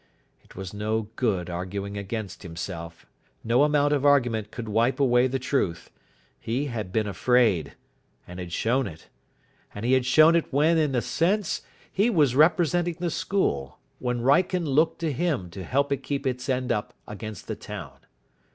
It was no good arguing against himself. No amount of argument could wipe away the truth. He had been afraid, and had shown it. And he had shown it when, in a sense, he was representing the school, when Wrykyn looked to him to help it keep its end up against the town.